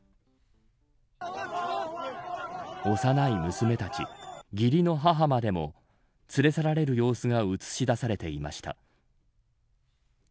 幼い娘たち、義理の母までも連れ去られる様子が映し出されていました。